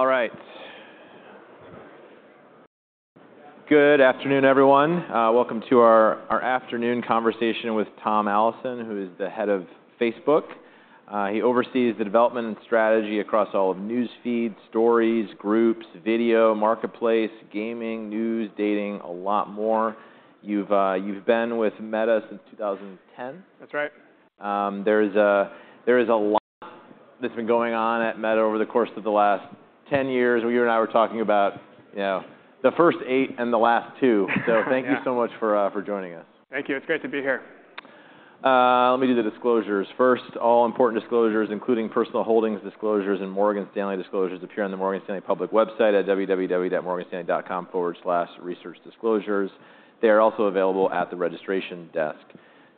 All right. Good afternoon, everyone. Welcome to our afternoon conversation with Tom Alison, who is the head of Facebook. He oversees the development and strategy across all of News Feeds, Stories, Groups, video, Marketplace, Gaming, News, Dating, a lot more. You've been with Meta since 2010. That's right. There is a lot that's been going on at Meta over the course of the last 10 years. Well, you and I were talking about, you know, the first eight and the last two. So thank you so much for joining us. Thank you. It's great to be here. Let me do the disclosures. First, all important disclosures, including personal holdings disclosures and Morgan Stanley disclosures, appear on the Morgan Stanley public website at www.morganstanley.com/researchdisclosures. They are also available at the registration desk.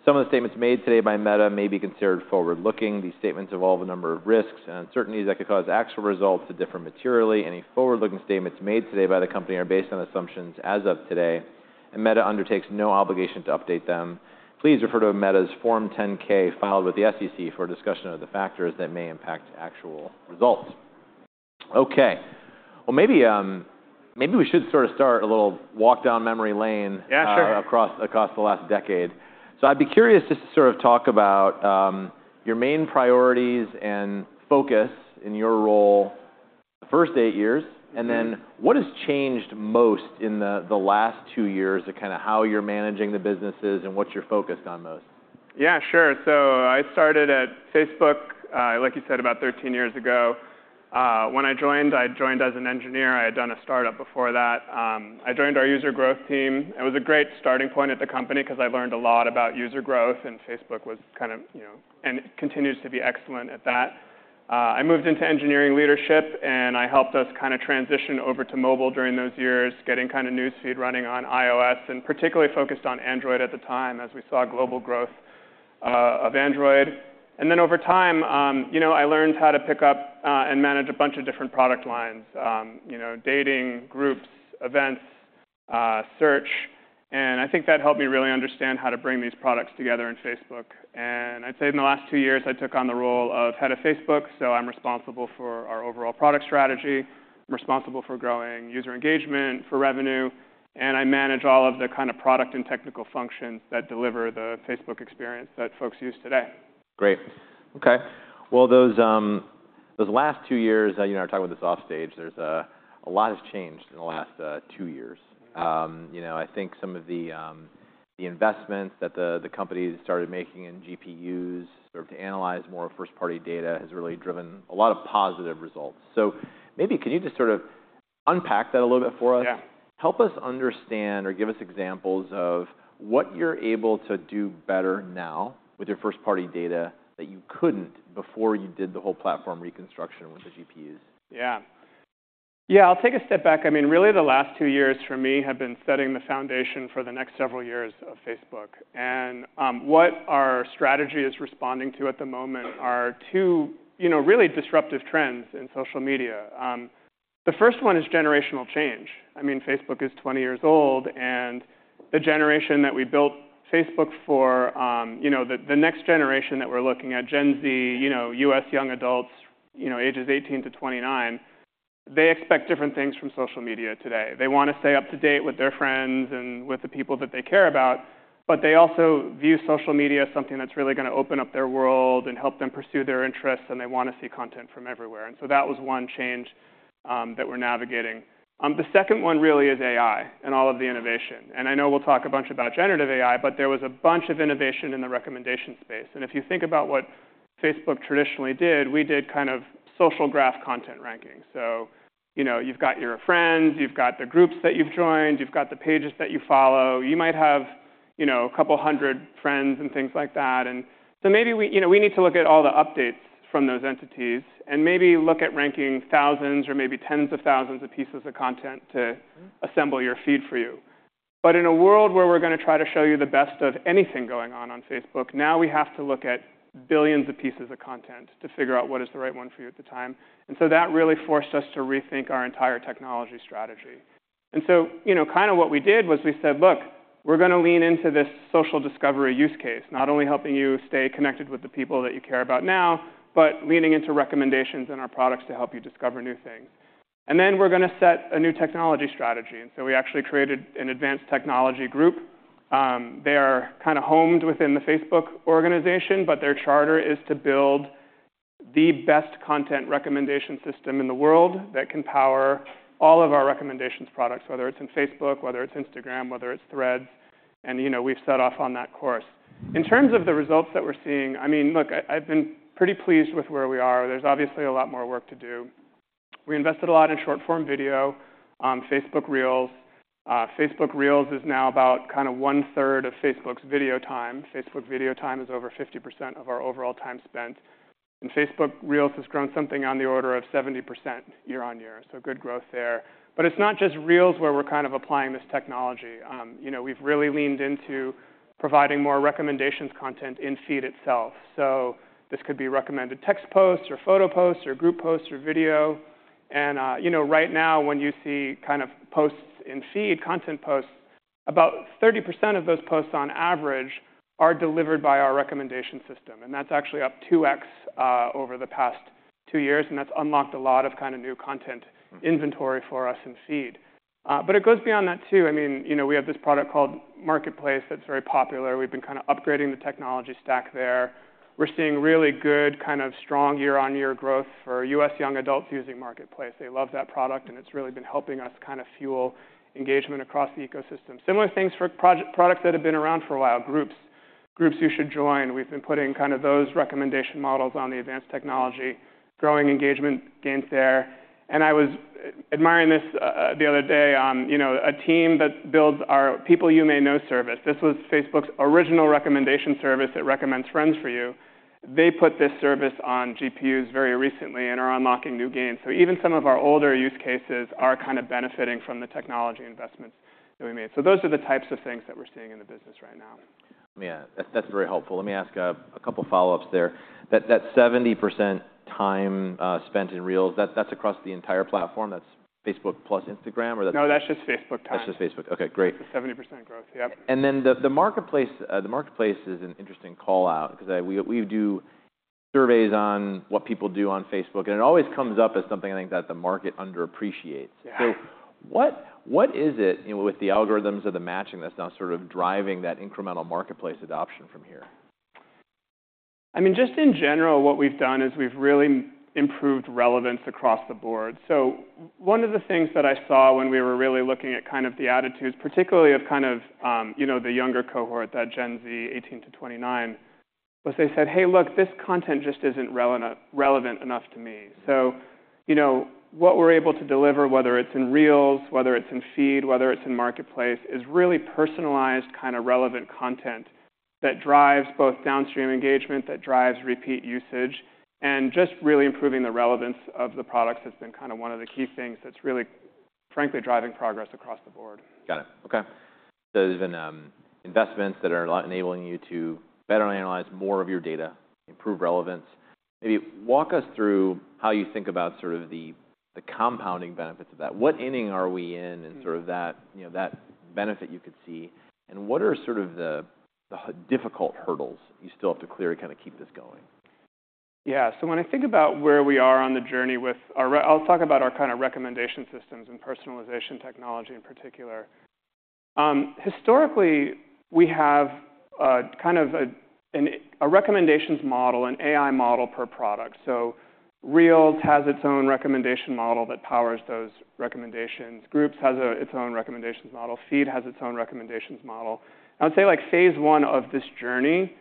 Some of the statements made today by Meta may be considered forward-looking. These statements involve a number of risks and uncertainties that could cause actual results to differ materially. Any forward-looking statements made today by the company are based on assumptions as of today, and Meta undertakes no obligation to update them. Please refer to Meta's Form 10-K filed with the SEC for a discussion of the factors that may impact actual results. Okay. Well, maybe, maybe we should sorta start a little walk down memory lane. Yeah, sure. Across the last decade. So I'd be curious just to sort of talk about your main priorities and focus in your role the first eight years, and then what has changed most in the last two years of kinda how you're managing the businesses and what you're focused on most? Yeah, sure. So I started at Facebook, like you said, about 13 years ago. When I joined, I joined as an engineer. I had done a startup before that. I joined our user growth team. It was a great starting point at the company 'cause I learned a lot about user growth, and Facebook was kinda, you know, and continues to be excellent at that. I moved into engineering leadership, and I helped us kinda transition over to mobile during those years, getting kinda News Feed running on iOS and particularly focused on Android at the time as we saw global growth, of Android. And then over time, you know, I learned how to pick up, and manage a bunch of different product lines, you know, Dating, Groups, Events, Search. And I think that helped me really understand how to bring these products together in Facebook. I'd say in the last two years, I took on the role of head of Facebook, so I'm responsible for our overall product strategy. I'm responsible for growing user engagement for revenue, and I manage all of the kinda product and technical functions that deliver the Facebook experience that folks use today. Great. Okay. Well, those, those last two years, you know, I was talking about this offstage. There's a lot has changed in the last two years. You know, I think some of the, the investments that the, the company started making in GPUs sort of to analyze more first-party data has really driven a lot of positive results. So maybe can you just sort of unpack that a little bit for us? Yeah. Help us understand or give us examples of what you're able to do better now with your first-party data that you couldn't before you did the whole platform reconstruction with the GPUs? Yeah. Yeah, I'll take a step back. I mean, really, the last two years for me have been setting the foundation for the next several years of Facebook. What our strategy is responding to at the moment are two, you know, really disruptive trends in social media. The first one is generational change. I mean, Facebook is 20 years old, and the generation that we built Facebook for, you know, the, the next generation that we're looking at, Gen Z, you know, U.S. young adults, you know, ages 18 to 29, they expect different things from social media today. They wanna stay up to date with their friends and with the people that they care about, but they also view social media as something that's really gonna open up their world and help them pursue their interests, and they wanna see content from everywhere. So that was one change that we're navigating. The second one really is AI and all of the innovation. And I know we'll talk a bunch about generative AI, but there was a bunch of innovation in the recommendation space. And if you think about what Facebook traditionally did, we did kind of social graph content ranking. So, you know, you've got your friends, you've got the Groups that you've joined, you've got the pages that you follow. You might have, you know, a couple hundred friends and things like that. And so maybe we, you know, we need to look at all the updates from those entities and maybe look at ranking thousands or maybe tens of thousands of pieces of content to assemble your feed for you. But in a world where we're gonna try to show you the best of anything going on on Facebook, now we have to look at billions of pieces of content to figure out what is the right one for you at the time. And so that really forced us to rethink our entire technology strategy. And so, you know, kinda what we did was we said, "Look, we're gonna lean into this social discovery use case, not only helping you stay connected with the people that you care about now, but leaning into recommendations in our products to help you discover new things." And then we're gonna set a new technology strategy. And so we actually created an advanced technology group. They are kinda homed within the Facebook organization, but their charter is to build the best content recommendation system in the world that can power all of our recommendations products, whether it's in Facebook, whether it's Instagram, whether it's Threads. And, you know, we've set off on that course. In terms of the results that we're seeing, I mean, look, I've been pretty pleased with where we are. There's obviously a lot more work to do. We invested a lot in short-form video, Facebook Reels. Facebook Reels is now about kinda 1/3 of Facebook's video time. Facebook video time is over 50% of our overall time spent. And Facebook Reels has grown something on the order of 70% year-over-year, so good growth there. But it's not just Reels where we're kind of applying this technology. You know, we've really leaned into providing more recommendations content in Feed itself. So this could be recommended text posts or photo posts or group posts or video. And, you know, right now when you see kind of posts in Feed, content posts, about 30% of those posts on average are delivered by our recommendation system. And that's actually up 2x over the past two years, and that's unlocked a lot of kinda new content inventory for us in Feed. But it goes beyond that too. I mean, you know, we have this product called Marketplace that's very popular. We've been kinda upgrading the technology stack there. We're seeing really good kind of strong year-on-year growth for U.S. young adults using Marketplace. They love that product, and it's really been helping us kinda fuel engagement across the ecosystem. Similar things for products that have been around for a while, Groups, Groups you should join. We've been putting kinda those recommendation models on the advanced technology, growing engagement gains there. I was admiring this the other day, you know, on a team that builds our People You May Know service. This was Facebook's original recommendation service that recommends friends for you. They put this service on GPUs very recently and are unlocking new gains. So even some of our older use cases are kinda benefiting from the technology investments that we made. Those are the types of things that we're seeing in the business right now. Yeah. That's very helpful. Let me ask a couple follow-ups there. That 70% time spent in Reels, that's across the entire platform? That's Facebook plus Instagram, or that's? No, that's just Facebook time. That's just Facebook. Okay. Great. That's the 70% growth, yep. Then the Marketplace is an interesting callout 'cause we do surveys on what people do on Facebook, and it always comes up as something I think that the market underappreciates. Yeah. So what is it, you know, with the algorithms or the matching that's now sort of driving that incremental Marketplace adoption from here? I mean, just in general, what we've done is we've really improved relevance across the board. So one of the things that I saw when we were really looking at kind of the attitudes, particularly of kind of, you know, the younger cohort, that Gen Z, 18-29, was they said, "Hey, look, this content just isn't relevant enough to me." So, you know, what we're able to deliver, whether it's in Reels, whether it's in Feed, whether it's in Marketplace, is really personalized kinda relevant content that drives both downstream engagement, that drives repeat usage, and just really improving the relevance of the products has been kinda one of the key things that's really, frankly, driving progress across the board. Got it. Okay. So there's been investments that are a lot enabling you to better analyze more of your data, improve relevance. Maybe walk us through how you think about sort of the compounding benefits of that. What inning are we in in sort of that, you know, that benefit you could see? And what are sort of the difficult hurdles you still have to clear to kinda keep this going? Yeah. So when I think about where we are on the journey with our AI, I'll talk about our kind of recommendation systems and personalization technology in particular. Historically, we have kind of a recommendations model, an AI model per product. So Reels has its own recommendation model that powers those recommendations. Groups has its own recommendations model. Feed has its own recommendations model. I would say, like, phase one of this journey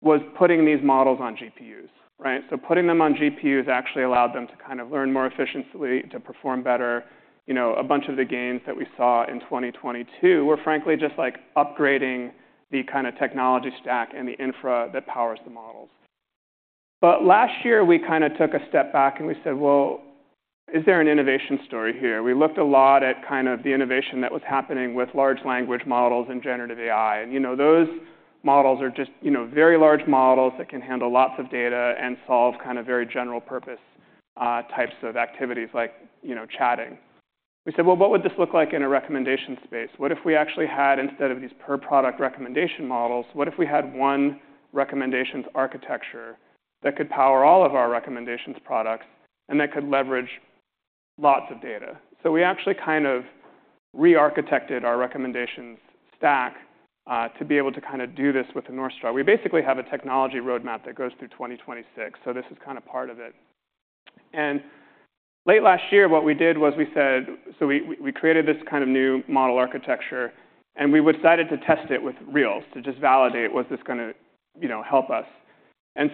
was putting these models on GPUs, right? So putting them on GPUs actually allowed them to kind of learn more efficiently, to perform better. You know, a bunch of the gains that we saw in 2022 were, frankly, just, like, upgrading the kind of technology stack and the infra that powers the models. Last year, we kinda took a step back, and we said, "Well, is there an innovation story here?" We looked a lot at kind of the innovation that was happening with large language models and generative AI. You know, those models are just, you know, very large models that can handle lots of data and solve kinda very general-purpose, types of activities like, you know, chatting. We said, "Well, what would this look like in a recommendation space? What if we actually had, instead of these per-product recommendation models, what if we had one recommendations architecture that could power all of our recommendations products and that could leverage lots of data?" So we actually kind of rearchitected our recommendations stack, to be able to kinda do this with the North Star. We basically have a technology roadmap that goes through 2026, so this is kinda part of it. Late last year, what we did was we said, so we created this kind of new model architecture, and we decided to test it with Reels to just validate, was this gonna, you know, help us?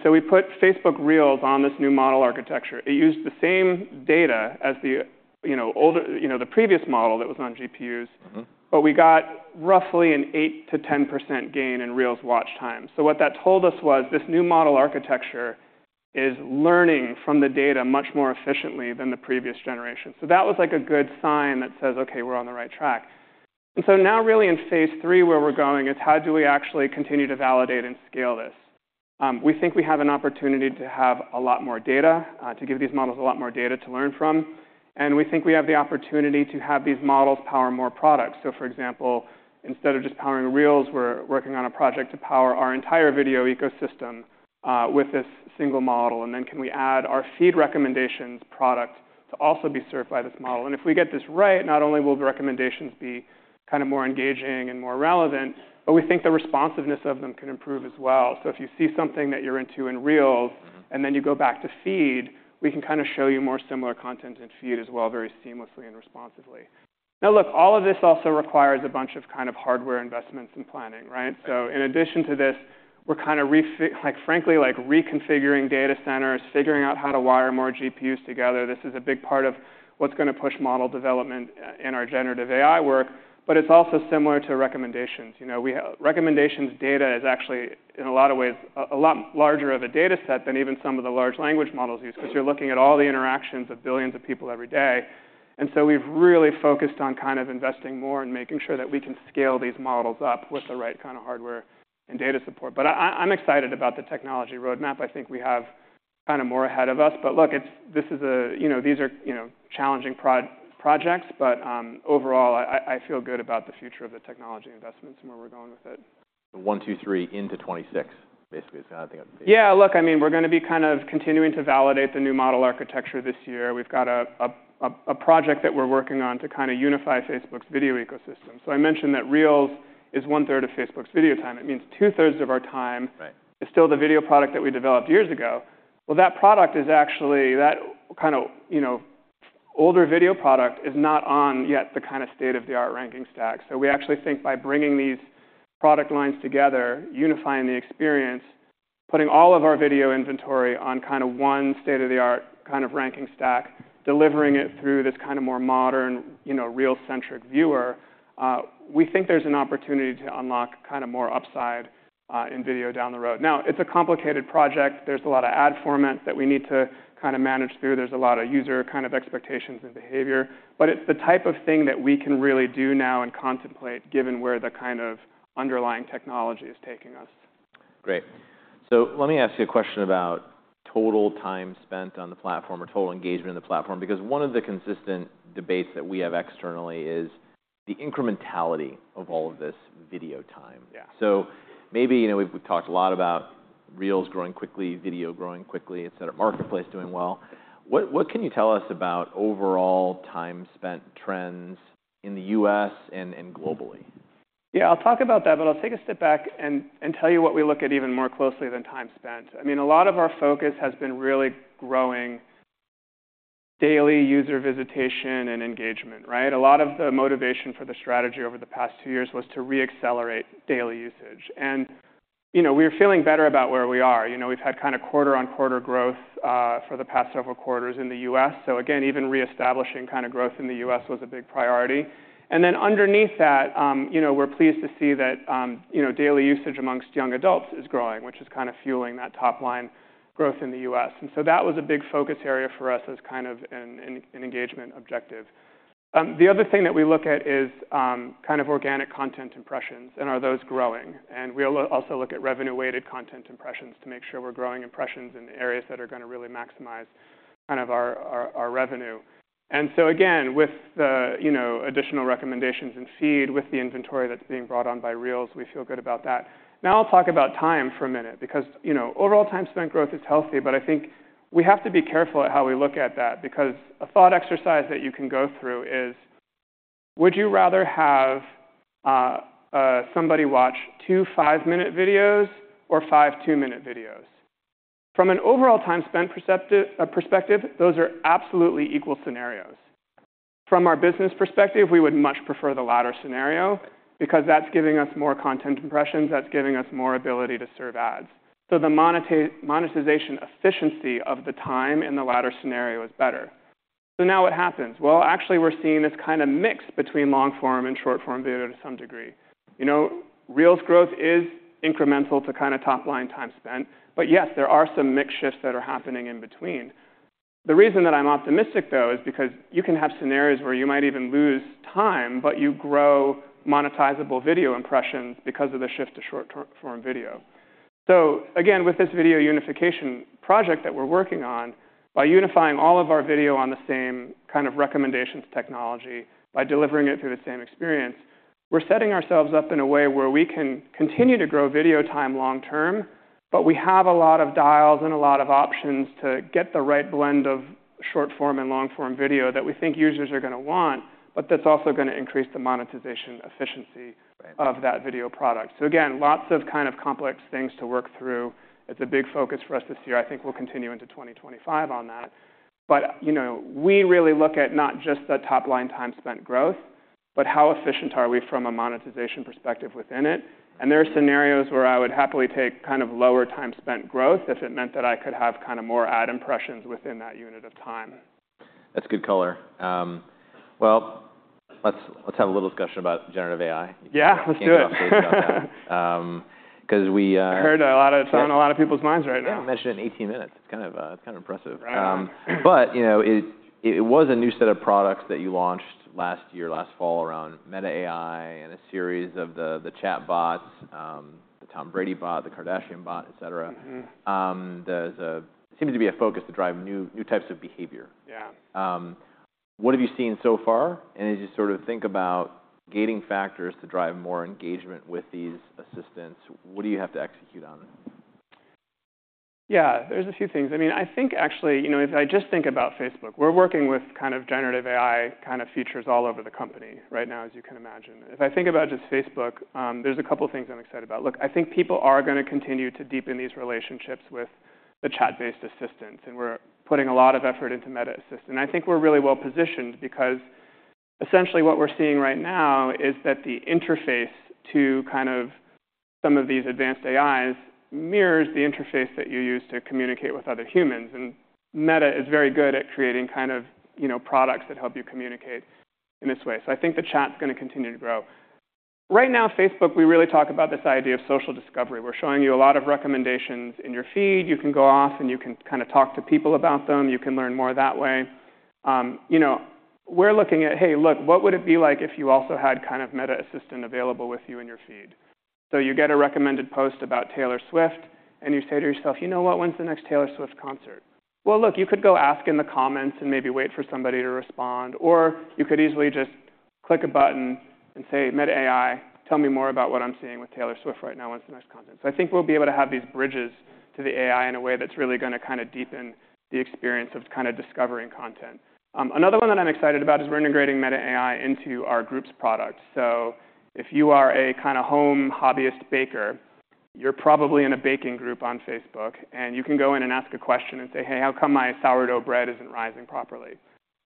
So we put Facebook Reels on this new model architecture. It used the same data as the, you know, older you know, the previous model that was on GPUs. Mm-hmm. But we got roughly an 8%-10% gain in Reels watch time. So what that told us was this new model architecture is learning from the data much more efficiently than the previous generation. So that was, like, a good sign that says, "Okay, we're on the right track." And so now really in phase three, where we're going, is how do we actually continue to validate and scale this? We think we have an opportunity to have a lot more data, to give these models a lot more data to learn from. And we think we have the opportunity to have these models power more products. So, for example, instead of just powering Reels, we're working on a project to power our entire video ecosystem, with this single model. And then can we add our feed recommendations product to also be served by this model? If we get this right, not only will the recommendations be kinda more engaging and more relevant, but we think the responsiveness of them can improve as well. So if you see something that you're into in Reels. Mm-hmm. And then you go back to Feed, we can kinda show you more similar content in Feed as well, very seamlessly and responsively. Now, look, all of this also requires a bunch of kind of hardware investments and planning, right? Mm-hmm. So in addition to this, we're kinda, like, frankly, like, reconfiguring data centers, figuring out how to wire more GPUs together. This is a big part of what's gonna push model development, in our generative AI work. But it's also similar to recommendations. You know, we have recommendations data is actually, in a lot of ways, a lot larger of a dataset than even some of the large language models use 'cause you're looking at all the interactions of billions of people every day. And so we've really focused on kind of investing more and making sure that we can scale these models up with the right kinda hardware and data support. But I'm excited about the technology roadmap. I think we have kinda more ahead of us. But look, it's, you know, this is a, you know, these are, you know, challenging projects. But overall, I feel good about the future of the technology investments and where we're going with it. One, two, three into 2026, basically, is kinda I think. Yeah. Look, I mean, we're gonna be kind of continuing to validate the new model architecture this year. We've got a project that we're working on to kinda unify Facebook's video ecosystem. So I mentioned that Reels is 1/3 of Facebook's video time. It means 2/3 of our time. Right. It's still the video product that we developed years ago. Well, that product is actually that kinda, you know, older video product is not yet on the kinda state-of-the-art ranking stack. So we actually think by bringing these product lines together, unifying the experience, putting all of our video inventory on kinda one state-of-the-art kind of ranking stack, delivering it through this kinda more modern, you know, Reels-centric viewer, we think there's an opportunity to unlock kinda more upside in video down the road. Now, it's a complicated project. There's a lot of ad format that we need to kinda manage through. There's a lot of user kind of expectations and behavior. But it's the type of thing that we can really do now and contemplate given where the kind of underlying technology is taking us. Great. So let me ask you a question about total time spent on the platform or total engagement in the platform because one of the consistent debates that we have externally is the incrementality of all of this video time. Yeah. Maybe, you know, we've talked a lot about Reels growing quickly, video growing quickly, etc., Marketplace doing well. What can you tell us about overall time spent trends in the U.S. and globally? Yeah. I'll talk about that, but I'll take a step back and tell you what we look at even more closely than time spent. I mean, a lot of our focus has been really growing daily user visitation and engagement, right? A lot of the motivation for the strategy over the past two years was to reaccelerate daily usage. And, you know, we were feeling better about where we are. You know, we've had kinda quarter-on-quarter growth, for the past several quarters in the U.S. So again, even reestablishing kinda growth in the U.S. was a big priority. And then underneath that, you know, we're pleased to see that, you know, daily usage amongst young adults is growing, which is kinda fueling that top-line growth in the U.S. And so that was a big focus area for us as kind of an engagement objective. The other thing that we look at is kind of organic content impressions. And are those growing? And we'll also look at revenue-weighted content impressions to make sure we're growing impressions in the areas that are gonna really maximize kind of our, our, our revenue. And so again, with the, you know, additional recommendations in feed, with the inventory that's being brought on by Reels, we feel good about that. Now, I'll talk about time for a minute because, you know, overall time spent growth is healthy, but I think we have to be careful at how we look at that because a thought exercise that you can go through is, would you rather have somebody watch two five-minute videos or five two-minute videos? From an overall time spent perspective, those are absolutely equal scenarios. From our business perspective, we would much prefer the latter scenario because that's giving us more content impressions. That's giving us more ability to serve ads. So the monetization efficiency of the time in the latter scenario is better. So now what happens? Well, actually, we're seeing this kinda mix between long-form and short-form video to some degree. You know, Reels growth is incremental to kinda top-line time spent. But yes, there are some mixed shifts that are happening in between. The reason that I'm optimistic, though, is because you can have scenarios where you might even lose time, but you grow monetizable video impressions because of the shift to short-form video. So again, with this video unification project that we're working on, by unifying all of our video on the same kind of recommendations technology, by delivering it through the same experience, we're setting ourselves up in a way where we can continue to grow video time long-term, but we have a lot of dials and a lot of options to get the right blend of short-form and long-form video that we think users are gonna want, but that's also gonna increase the monetization efficiency. Right. Of that video product. So again, lots of kind of complex things to work through. It's a big focus for us this year. I think we'll continue into 2025 on that. But, you know, we really look at not just the top-line time spent growth, but how efficient are we from a monetization perspective within it? And there are scenarios where I would happily take kind of lower time spent growth if it meant that I could have kinda more ad impressions within that unit of time. That's good color. Well, let's have a little discussion about generative AI. Yeah. Let's do it. Getting off the radio now. 'Cause we, Heard a lot of it's on a lot of people's minds right now. Yeah. You mentioned it in 18 minutes. It's kind of, it's kind of impressive. Right. you know, it was a new set of products that you launched last year, last fall, around Meta AI and a series of the chatbots, the Tom Brady bot, the Kardashian bot, etc. Mm-hmm. There seems to be a focus to drive new types of behavior. Yeah. What have you seen so far? As you sort of think about gating factors to drive more engagement with these assistants, what do you have to execute on? Yeah. There's a few things. I mean, I think actually, you know, if I just think about Facebook, we're working with kind of generative AI kinda features all over the company right now, as you can imagine. If I think about just Facebook, there's a couple things I'm excited about. Look, I think people are gonna continue to deepen these relationships with the chat-based assistants. And we're putting a lot of effort into Meta Assist. And I think we're really well-positioned because essentially, what we're seeing right now is that the interface to kind of some of these advanced AIs mirrors the interface that you use to communicate with other humans. And Meta is very good at creating kind of, you know, products that help you communicate in this way. So I think the chat's gonna continue to grow. Right now, Facebook, we really talk about this idea of social discovery. We're showing you a lot of recommendations in your feed. You can go off, and you can kinda talk to people about them. You can learn more that way. You know, we're looking at, "Hey, look, what would it be like if you also had kind of Meta Assistant available with you in your feed?" So you get a recommended post about Taylor Swift, and you say to yourself, "You know what? When's the next Taylor Swift concert?" Well, look, you could go ask in the comments and maybe wait for somebody to respond. Or you could easily just click a button and say, "Meta AI, tell me more about what I'm seeing with Taylor Swift right now. When's the next content?" So I think we'll be able to have these bridges to the AI in a way that's really gonna kinda deepen the experience of kinda discovering content. Another one that I'm excited about is we're integrating Meta AI into our group's product. So if you are a kinda home hobbyist baker, you're probably in a baking group on Facebook. And you can go in and ask a question and say, "Hey, how come my sourdough bread isn't rising properly?"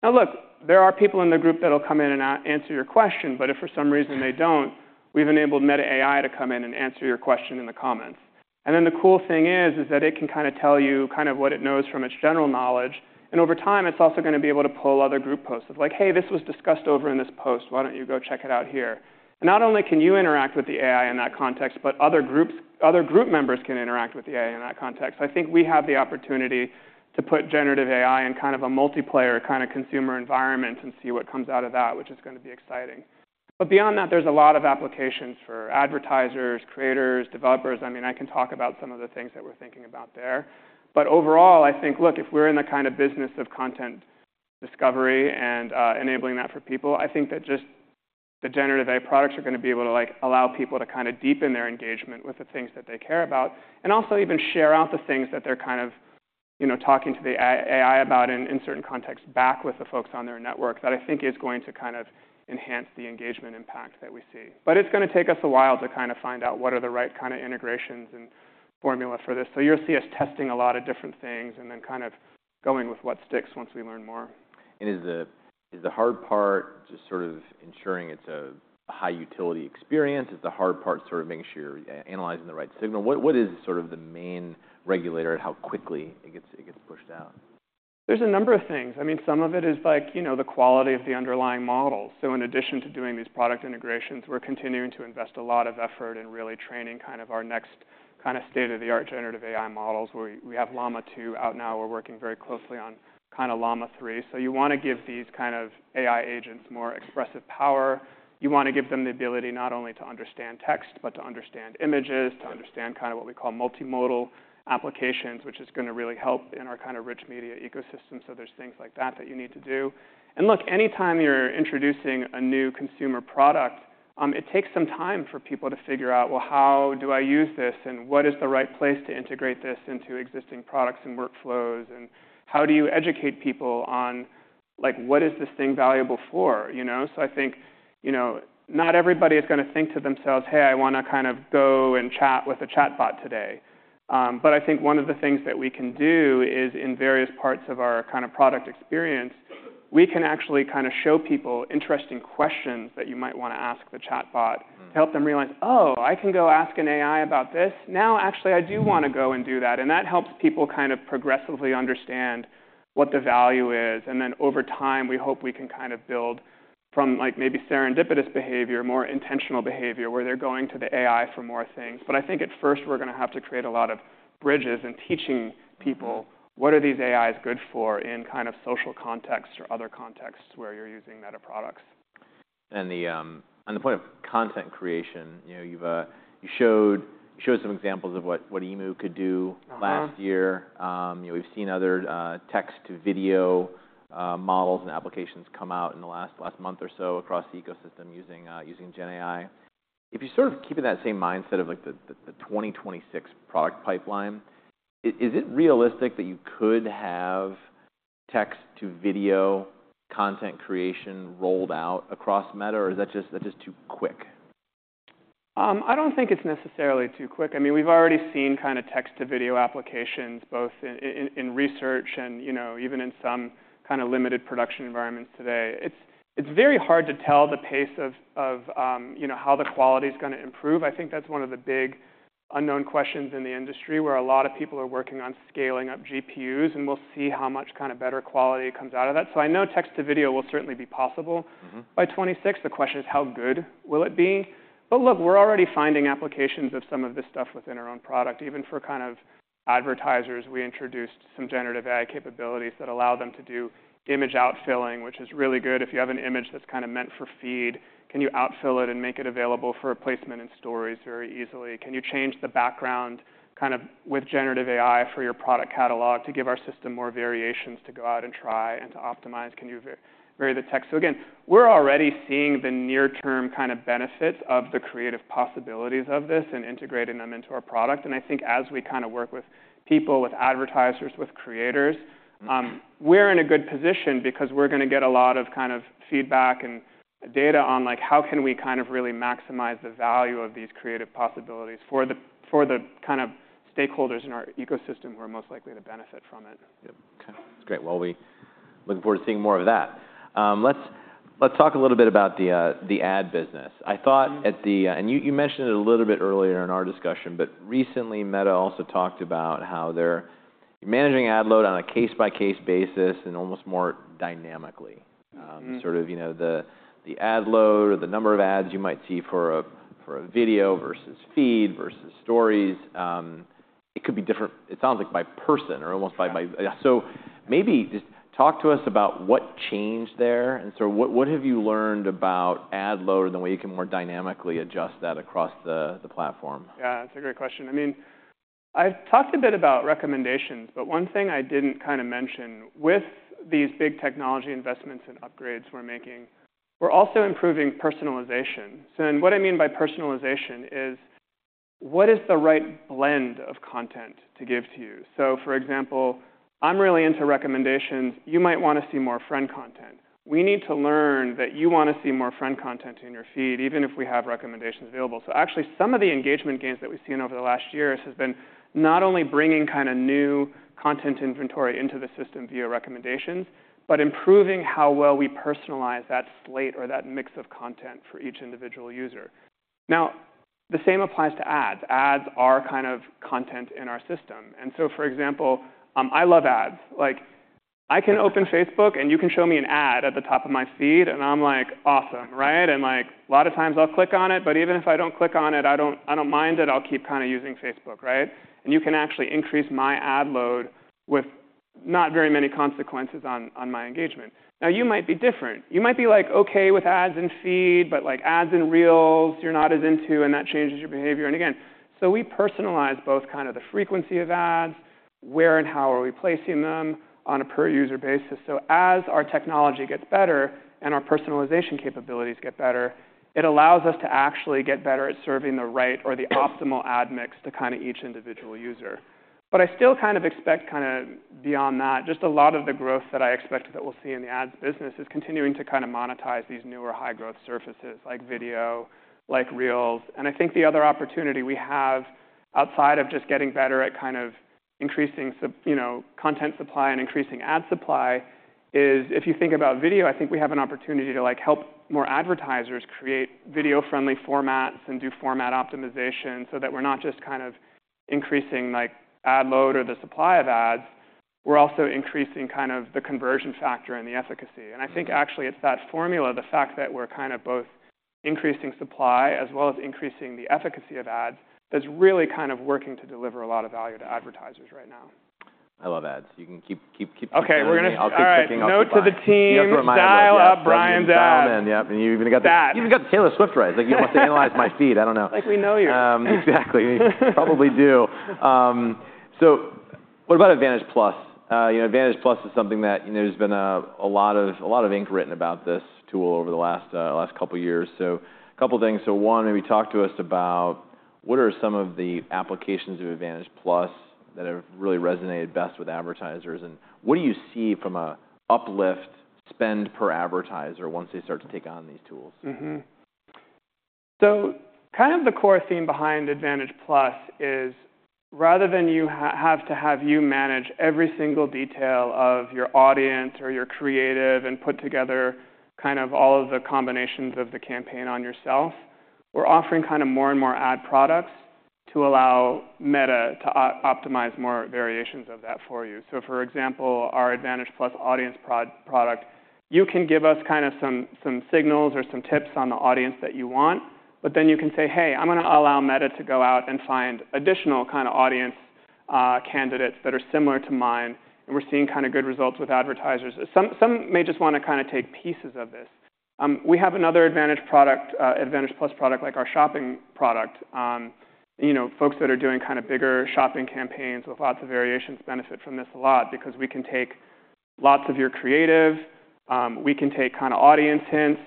Now, look, there are people in the group that'll come in and answer your question. But if for some reason they don't, we've enabled Meta AI to come in and answer your question in the comments. And then the cool thing is that it can kinda tell you kind of what it knows from its general knowledge. Over time, it's also gonna be able to pull other group posts of like, "Hey, this was discussed over in this post. Why don't you go check it out here?" And not only can you interact with the AI in that context, but other groups other group members can interact with the AI in that context. So I think we have the opportunity to put generative AI in kind of a multiplayer kinda consumer environment and see what comes out of that, which is gonna be exciting. But beyond that, there's a lot of applications for advertisers, creators, developers. I mean, I can talk about some of the things that we're thinking about there. But overall, I think, look, if we're in the kinda business of content discovery and enabling that for people, I think that just the generative AI products are gonna be able to, like, allow people to kinda deepen their engagement with the things that they care about and also even share out the things that they're kind of, you know, talking to the AI, AI about in, in certain contexts back with the folks on their network that I think is going to kind of enhance the engagement impact that we see. But it's gonna take us a while to kinda find out what are the right kinda integrations and formula for this. So you'll see us testing a lot of different things and then kind of going with what sticks once we learn more. Is the hard part just sort of ensuring it's a high-utility experience? Is the hard part sort of making sure you're analyzing the right signal? What is sort of the main regulator at how quickly it gets pushed out? There's a number of things. I mean, some of it is like, you know, the quality of the underlying models. So in addition to doing these product integrations, we're continuing to invest a lot of effort in really training kind of our next kinda state-of-the-art generative AI models. We have Llama 2 out now. We're working very closely on kinda Llama 3. So you wanna give these kind of AI agents more expressive power. You wanna give them the ability not only to understand text but to understand images, to understand kinda what we call multimodal applications, which is gonna really help in our kinda rich media ecosystem. So there's things like that that you need to do. And look, anytime you're introducing a new consumer product, it takes some time for people to figure out, "Well, how do I use this? And what is the right place to integrate this into existing products and workflows? And how do you educate people on, like, what is this thing valuable for? You know? So I think, you know, not everybody is gonna think to themselves, "Hey, I wanna kind of go and chat with a chatbot today," but I think one of the things that we can do is in various parts of our kinda product experience, we can actually kinda show people interesting questions that you might wanna ask the chatbot to help them realize, "Oh, I can go ask an AI about this. Now, actually, I do wanna go and do that." And that helps people kind of progressively understand what the value is. And then over time, we hope we can kind of build from, like, maybe serendipitous behavior, more intentional behavior where they're going to the AI for more things. But I think at first, we're gonna have to create a lot of bridges and teaching people what are these AIs good for in kind of social contexts or other contexts where you're using Meta products. On the point of content creation, you know, you've shown some examples of what Emu could do last year. You know, we've seen other text-to-video models and applications come out in the last month or so across the ecosystem using GenAI. If you sort of keep it that same mindset of, like, the 2026 product pipeline, is it realistic that you could have text-to-video content creation rolled out across Meta? Or is that just too quick? I don't think it's necessarily too quick. I mean, we've already seen kinda text-to-video applications both in research and, you know, even in some kinda limited production environments today. It's very hard to tell the pace of, you know, how the quality's gonna improve. I think that's one of the big unknown questions in the industry where a lot of people are working on scaling up GPUs. And we'll see how much kinda better quality comes out of that. So I know text-to-video will certainly be possible. Mm-hmm. By 2026. The question is, how good will it be? But look, we're already finding applications of some of this stuff within our own product. Even for kind of advertisers, we introduced some generative AI capabilities that allow them to do image outfilling, which is really good. If you have an image that's kinda meant for feed, can you outfill it and make it available for placement in stories very easily? Can you change the background kind of with generative AI for your product catalog to give our system more variations to go out and try and to optimize? Can you vary the text? So again, we're already seeing the near-term kinda benefits of the creative possibilities of this and integrating them into our product. I think as we kinda work with people, with advertisers, with creators, we're in a good position because we're gonna get a lot of kind of feedback and data on, like, how can we kind of really maximize the value of these creative possibilities for the for the kind of stakeholders in our ecosystem who are most likely to benefit from it. Yep. Okay. That's great. Well, we're looking forward to seeing more of that. Let's, let's talk a little bit about the, the ad business. I thought. Mm-hmm. And you mentioned it a little bit earlier in our discussion. But recently, Meta also talked about how they're managing ad load on a case-by-case basis and almost more dynamically, sort of, you know, the ad load or the number of ads you might see for a video versus Feed versus Stories. It could be different; it sounds like by person or almost by. Yeah. Maybe just talk to us about what changed there. What have you learned about ad load and the way you can more dynamically adjust that across the platform? Yeah. That's a great question. I mean, I've talked a bit about recommendations. But one thing I didn't kinda mention, with these big technology investments and upgrades we're making, we're also improving personalization. So then what I mean by personalization is, what is the right blend of content to give to you? So for example, I'm really into recommendations. You might wanna see more friend content. We need to learn that you wanna see more friend content in your feed even if we have recommendations available. So actually, some of the engagement gains that we've seen over the last years has been not only bringing kinda new content inventory into the system via recommendations but improving how well we personalize that slate or that mix of content for each individual user. Now, the same applies to ads. Ads are kind of content in our system. And so for example, I love ads. Like, I can open Facebook, and you can show me an ad at the top of my feed. And I'm like, "Awesome." Right? And, like, a lot of times, I'll click on it. But even if I don't click on it, I don't mind it. I'll keep kinda using Facebook. Right? And you can actually increase my ad load with not very many consequences on my engagement. Now, you might be different. You might be like, "Okay with ads in feed. But, like, ads in Reels, you're not as into. And that changes your behavior." And again, so we personalize both kinda the frequency of ads, where and how are we placing them on a per-user basis. So as our technology gets better and our personalization capabilities get better, it allows us to actually get better at serving the right or the optimal ad mix to kinda each individual user. But I still kind of expect kinda beyond that, just a lot of the growth that I expect that we'll see in the ads business is continuing to kinda monetize these newer high-growth surfaces like video, like Reels. And I think the other opportunity we have outside of just getting better at kind of increasing, you know, content supply and increasing ad supply is if you think about video, I think we have an opportunity to, like, help more advertisers create video-friendly formats and do format optimization so that we're not just kind of increasing, like, ad load or the supply of ads. We're also increasing kind of the conversion factor and the efficacy. I think actually, it's that formula, the fact that we're kinda both increasing supply as well as increasing the efficacy of ads that's really kind of working to deliver a lot of value to advertisers right now. I love ads. You can keep, keep, keep talking about ads. Okay. We're gonna say, "All right. Note to the team. Style up Brian's ads. You have to remind everybody, "Style man." Yep. And you even got the Taylor Swift ads. Like, you don't have to analyze my feed. I don't know. Like, we know you're. Exactly. We probably do. So what about Advantage+? You know, Advantage+ is something that, you know, there's been a lot of ink written about this tool over the last couple years. So a couple things. So one, maybe talk to us about what are some of the applications of Advantage+ that have really resonated best with advertisers? And what do you see from an uplift spend per advertiser once they start to take on these tools? Mm-hmm. So kind of the core theme behind Advantage+ is rather than you have to have you manage every single detail of your audience or your creative and put together kind of all of the combinations of the campaign on yourself, we're offering kinda more and more ad products to allow Meta to optimize more variations of that for you. So for example, our Advantage+ Audience product, you can give us kinda some signals or some tips on the audience that you want. But then you can say, "Hey, I'm gonna allow Meta to go out and find additional kinda audience candidates that are similar to mine." And we're seeing kinda good results with advertisers. Some may just wanna kinda take pieces of this. We have another Advantage+ product like our shopping product. You know, folks that are doing kinda bigger shopping campaigns with lots of variations benefit from this a lot because we can take lots of your creative. We can take kinda audience hints.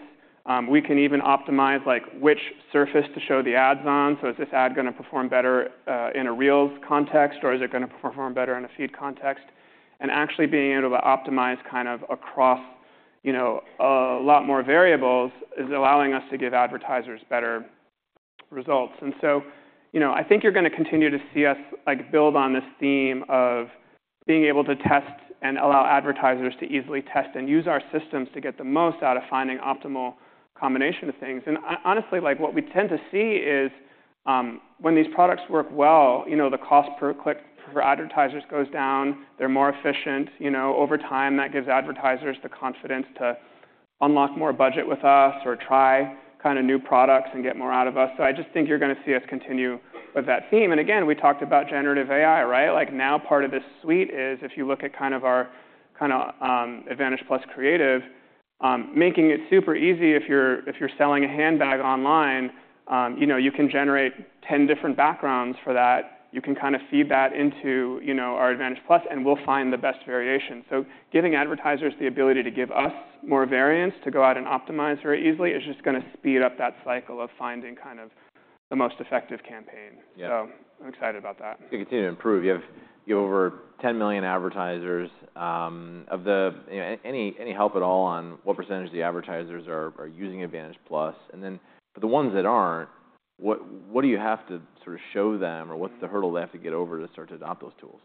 We can even optimize, like, which surface to show the ads on. So is this ad gonna perform better, in a Reels context? Or is it gonna perform better in a Feed context? And actually being able to optimize kind of across, you know, a lot more variables is allowing us to give advertisers better results. And so, you know, I think you're gonna continue to see us, like, build on this theme of being able to test and allow advertisers to easily test and use our systems to get the most out of finding optimal combination of things. And honestly, like, what we tend to see is, when these products work well, you know, the cost per click for advertisers goes down. They're more efficient. You know, over time, that gives advertisers the confidence to unlock more budget with us or try kinda new products and get more out of us. So I just think you're gonna see us continue with that theme. And again, we talked about generative AI. Right? Like, now part of this suite is if you look at kind of our kinda Advantage+ Creative, making it super easy if you're selling a handbag online, you know, you can generate 10 different backgrounds for that. You can kinda feed that into, you know, our Advantage+. And we'll find the best variation. So giving advertisers the ability to give us more variance to go out and optimize very easily is just gonna speed up that cycle of finding kind of the most effective campaign. Yeah. I'm excited about that. You continue to improve. You have over 10 million advertisers. Of the, you know, any help at all on what percentage of the advertisers are using Advantage+? And then for the ones that aren't, what do you have to sort of show them? Or what's the hurdle they have to get over to start to adopt those tools?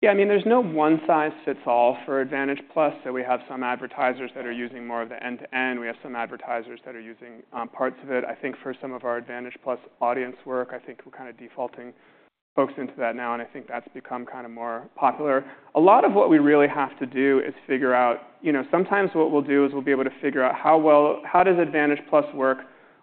Yeah. I mean, there's no one-size-fits-all for Advantage+. So we have some advertisers that are using more of the end-to-end. We have some advertisers that are using parts of it. I think for some of our Advantage+ Audience work, I think we're kinda defaulting folks into that now. And I think that's become kinda more popular. A lot of what we really have to do is figure out you know, sometimes what we'll do is we'll be able to figure out how well how does Advantage+ work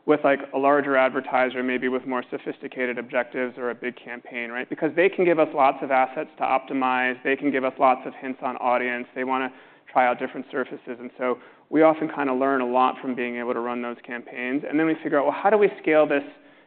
with, like, a larger advertiser, maybe with more sophisticated objectives or a big campaign. Right? Because they can give us lots of assets to optimize. They can give us lots of hints on audience. They wanna try out different surfaces. And so we often kinda learn a lot from being able to run those campaigns. And then we figure out, well, how do we scale this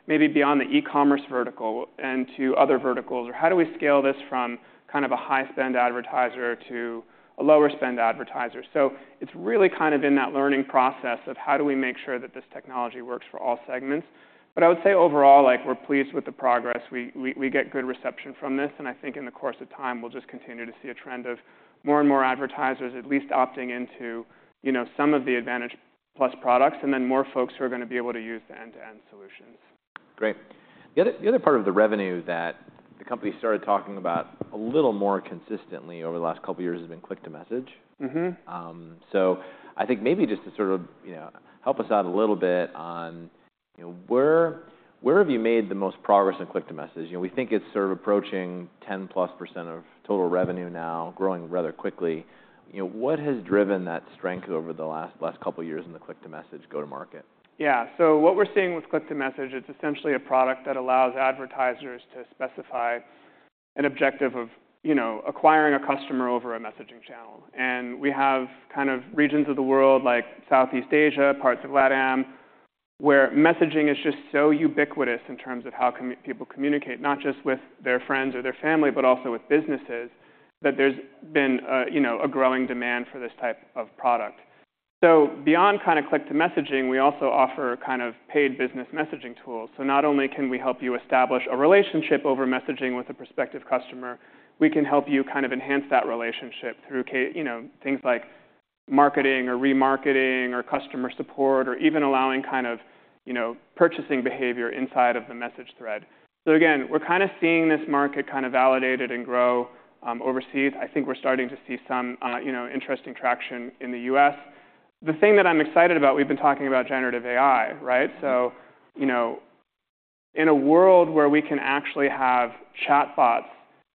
maybe beyond the e-commerce vertical and to other verticals? Or how do we scale this from kind of a high-spend advertiser to a lower-spend advertiser? So it's really kind of in that learning process of, how do we make sure that this technology works for all segments? But I would say overall, like, we're pleased with the progress. We get good reception from this. And I think in the course of time, we'll just continue to see a trend of more and more advertisers at least opting into, you know, some of the Advantage+ products and then more folks who are gonna be able to use the end-to-end solutions. Great. The other part of the revenue that the company started talking about a little more consistently over the last couple years has been Click-to-Message. Mm-hmm. I think maybe just to sort of, you know, help us out a little bit on, you know, where have you made the most progress in Click-to-Message? You know, we think it's sort of approaching 10%+ of total revenue now, growing rather quickly. You know, what has driven that strength over the last couple years in the Click-to-Message go-to-market? Yeah. So what we're seeing with Click-to-Message, it's essentially a product that allows advertisers to specify an objective of, you know, acquiring a customer over a messaging channel. And we have kind of regions of the world like Southeast Asia, parts of LATAM where messaging is just so ubiquitous in terms of how people communicate, not just with their friends or their family but also with businesses, that there's been a, you know, a growing demand for this type of product. So beyond kinda Click-to-Messaging, we also offer kind of paid business messaging tools. So not only can we help you establish a relationship over messaging with a prospective customer, we can help you kind of enhance that relationship through, you know, things like marketing or remarketing or customer support or even allowing kind of, you know, purchasing behavior inside of the message thread. So again, we're kinda seeing this market kinda validated and grow, overseas. I think we're starting to see some, you know, interesting traction in the U.S. The thing that I'm excited about, we've been talking about generative AI. Right? So, you know, in a world where we can actually have chatbots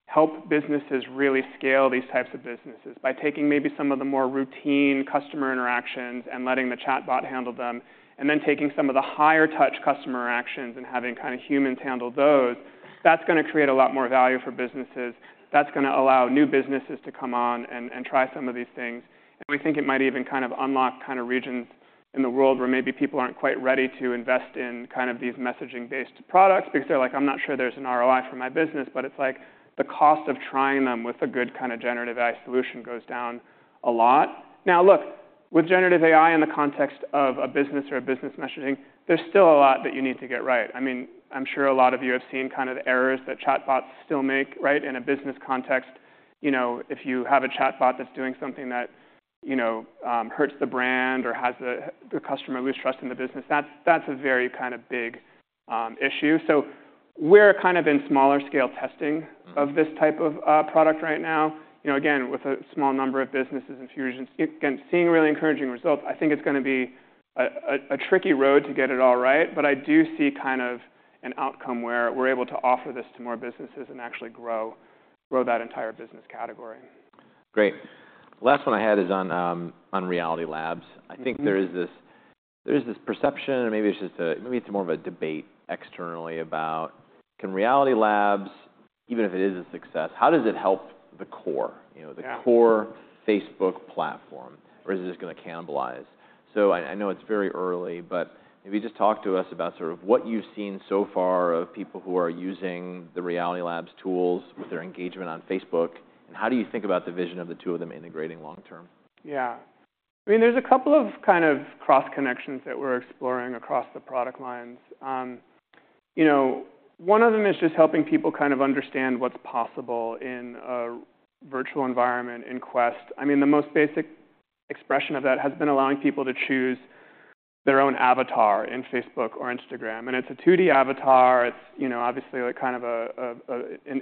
help businesses really scale these types of businesses by taking maybe some of the more routine customer interactions and letting the chatbot handle them and then taking some of the higher-touch customer interactions and having kinda humans handle those, that's gonna create a lot more value for businesses. That's gonna allow new businesses to come on and, and try some of these things. And we think it might even kind of unlock kinda regions in the world where maybe people aren't quite ready to invest in kind of these messaging-based products because they're like, "I'm not sure there's an ROI for my business." But it's like, the cost of trying them with a good kinda generative AI solution goes down a lot. Now, look, with generative AI in the context of a business or a business messaging, there's still a lot that you need to get right. I mean, I'm sure a lot of you have seen kinda the errors that chatbots still make. Right? In a business context, you know, if you have a chatbot that's doing something that, you know, hurts the brand or has the, the customer lose trust in the business, that's, that's a very kinda big, issue. So we're kind of in smaller-scale testing. Mm-hmm. Of this type of product right now. You know, again, with a small number of businesses and fusions, again, seeing really encouraging results, I think it's gonna be a tricky road to get it all right. But I do see kind of an outcome where we're able to offer this to more businesses and actually grow that entire business category. Great. Last one I had is on Reality Labs. Mm-hmm. I think there is this perception and maybe it's more of a debate externally about, can Reality Labs, even if it is a success, how does it help the core, you know, the core. Yeah. Facebook platform? Or is it just gonna cannibalize? So I know it's very early. But maybe just talk to us about sort of what you've seen so far of people who are using the Reality Labs tools with their engagement on Facebook. And how do you think about the vision of the two of them integrating long-term? Yeah. I mean, there's a couple of kind of cross-connections that we're exploring across the product lines. You know, one of them is just helping people kind of understand what's possible in a virtual environment in Quest. I mean, the most basic expression of that has been allowing people to choose their own avatar in Facebook or Instagram. It's a 2D avatar. It's, you know, obviously, like, kind of an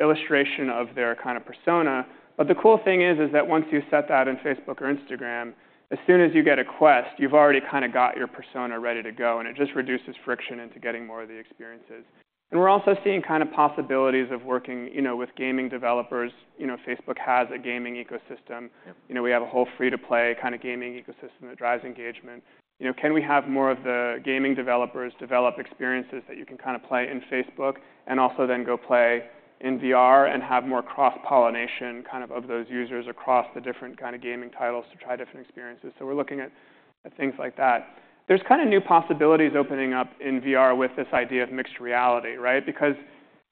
illustration of their kinda persona. But the cool thing is that once you set that in Facebook or Instagram, as soon as you get a Quest, you've already kinda got your persona ready to go. It just reduces friction into getting more of the experiences. We're also seeing kinda possibilities of working, you know, with gaming developers. You know, Facebook has a gaming ecosystem. Yep. You know, we have a whole free-to-play kinda gaming ecosystem that drives engagement. You know, can we have more of the gaming developers develop experiences that you can kinda play in Facebook and also then go play in VR and have more cross-pollination kind of of those users across the different kinda gaming titles to try different experiences? So we're looking at, at things like that. There's kinda new possibilities opening up in VR with this idea of mixed reality. Right?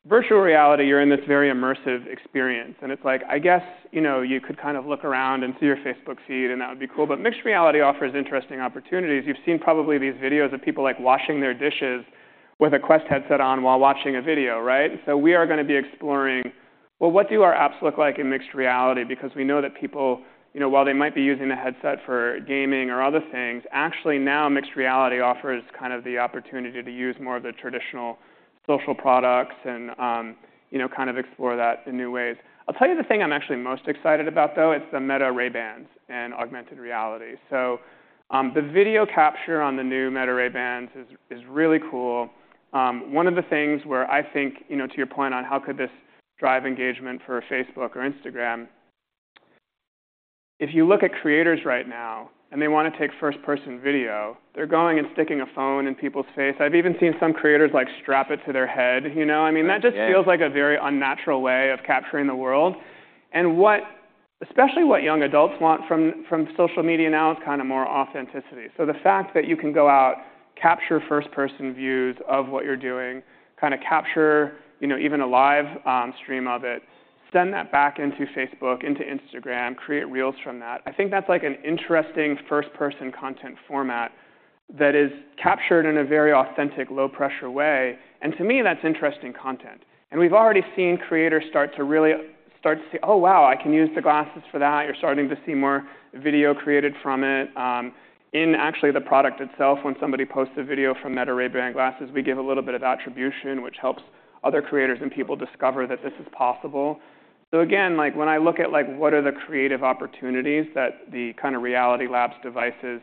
Because virtual reality, you're in this very immersive experience. And it's like, I guess, you know, you could kind of look around and see your Facebook feed. And that would be cool. But mixed reality offers interesting opportunities. You've seen probably these videos of people, like, washing their dishes with a Quest headset on while watching a video. Right? So we are gonna be exploring, well, what do our apps look like in mixed reality? Because we know that people, you know, while they might be using the headset for gaming or other things, actually now mixed reality offers kind of the opportunity to use more of the traditional social products and, you know, kind of explore that in new ways. I'll tell you the thing I'm actually most excited about, though. It's the Meta Ray-Bans and augmented reality. So, the video capture on the new Meta Ray-Bans is really cool. One of the things where I think, you know, to your point on how could this drive engagement for Facebook or Instagram, if you look at creators right now and they wanna take first-person video, they're going and sticking a phone in people's face. I've even seen some creators, like, strap it to their head. You know? I mean, that just feels like a very unnatural way of capturing the world. And what especially young adults want from social media now is kinda more authenticity. So the fact that you can go out, capture first-person views of what you're doing, kinda capture, you know, even a live stream of it, send that back into Facebook, into Instagram, create Reels from that, I think that's, like, an interesting first-person content format that is captured in a very authentic, low-pressure way. And to me, that's interesting content. And we've already seen creators start to really see, "Oh, wow. I can use the glasses for that." You're starting to see more video created from it. Actually, the product itself, when somebody posts a video from Meta Ray-Ban glasses, we give a little bit of attribution, which helps other creators and people discover that this is possible. So again, like, when I look at, like, what are the creative opportunities that the kinda Reality Labs devices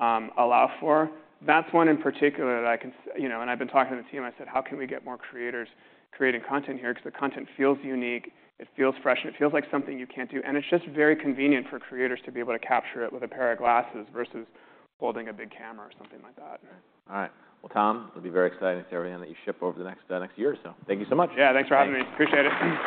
allow for, that's one in particular that I can see, you know, and I've been talking to the team. I said, "How can we get more creators creating content here?" Because the content feels unique. It feels fresh. And it feels like something you can't do. And it's just very convenient for creators to be able to capture it with a pair of glasses versus holding a big camera or something like that. All right. Well, Tom, it'll be very exciting to see everything that you ship over the next, next year or so. Thank you so much. Yeah. Thanks for having me. Appreciate it.